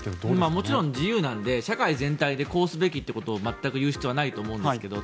もちろん自由なので社会全体でこうすべきということを全くいう必要はないと思うんですけど